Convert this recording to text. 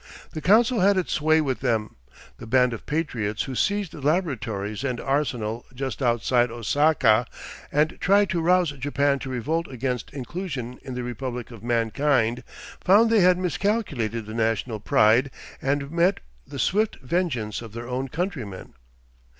The council had its way with them. The band of 'patriots' who seized the laboratories and arsenal just outside Osaka and tried to rouse Japan to revolt against inclusion in the Republic of Mankind, found they had miscalculated the national pride and met the swift vengeance of their own countrymen.